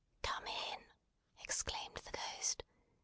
"Come in!" exclaimed the Ghost.